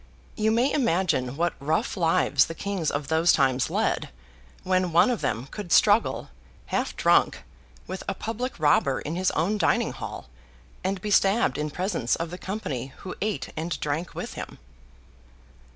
You may imagine what rough lives the kings of those times led, when one of them could struggle, half drunk, with a public robber in his own dining hall, and be stabbed in presence of the company who ate and drank with him.